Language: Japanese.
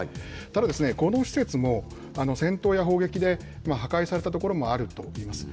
ただ、この施設も、戦闘や砲撃で破壊された所もあるといいます。